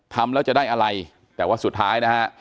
ทำแล้วจะได้อะไรแต่ว่าสุดท้ายนะฮะ